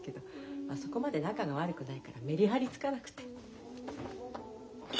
まそこまで仲が悪くないからメリハリつかなくて。